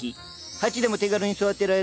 鉢でも手軽に育てられるんだ。